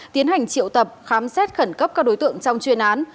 tiến hành triệu tập khám xét khẩn cấp các đối tượng trong chuyên án